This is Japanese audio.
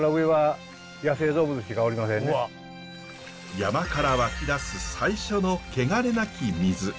山から湧き出す最初の汚れなき水。